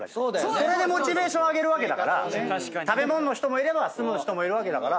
それでモチベーション上げるわけだから食べもんの人もいれば住むの人もいるわけだから。